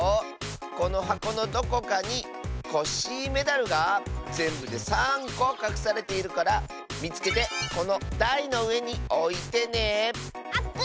このはこのどこかにコッシーメダルがぜんぶで３こかくされているからみつけてこのだいのうえにおいてね！オッケー！